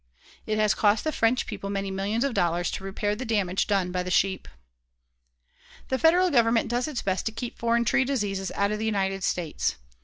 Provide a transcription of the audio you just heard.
It has cost the French people many millions of dollars to repair the damage done by the sheep. The Federal Government does its best to keep foreign tree diseases out of the United States.